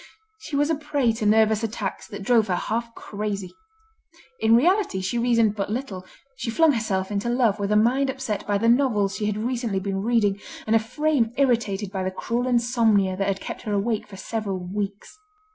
She was a prey to nervous attacks that drove her half crazy. In reality she reasoned but little, she flung herself into love with a mind upset by the novels she had recently been reading, and a frame irritated by the cruel insomnia that had kept her awake for several weeks.